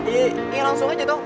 ya langsung aja toh